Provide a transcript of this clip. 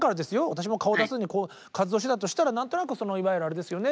私も顔を出さずに活動してたとしたら何となくいわゆるあれですよね